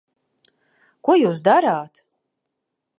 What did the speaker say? Ko jūs darāt?